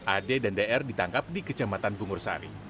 ade dan dr ditangkap di kecematan bungursari